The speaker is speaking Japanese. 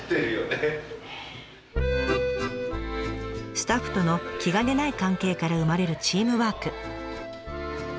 スタッフとの気兼ねない関係から生まれるチームワーク。